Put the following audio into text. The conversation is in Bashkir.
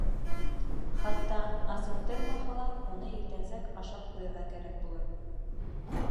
Хатта асыҡтырмаһа ла, уны иртәнсәк ашап ҡуйырға кәрәк булыр.